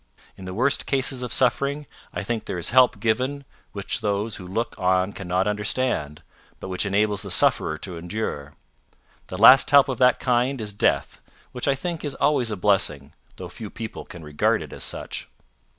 In the worst cases of suffering, I think there is help given which those who look on cannot understand, but which enables the sufferer to endure. The last help of that kind is death, which I think is always a blessing, though few people can regard it as such."